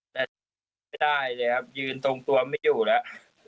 แต่ไม่ได้เลยครับยืนตรงตัวไม่อยู่แล้ว